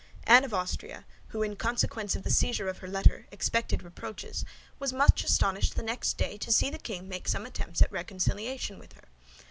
Anne of Austria, who, in consequence of the seizure of her letter, expected reproaches, was much astonished the next day to see the king make some attempts at reconciliation with her.